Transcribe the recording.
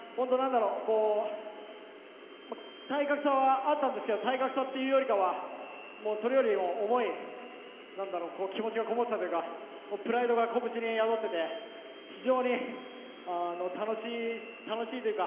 体格差はあったんですけど体格差というよりかはそれよりも重い気持ちがこもっていたというかプライドが拳に宿ってて非常に楽しいというか。